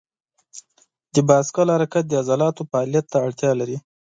د بایسکل حرکت د عضلاتو فعالیت ته اړتیا لري.